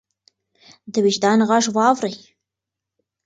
د وجدان غږ واورئ.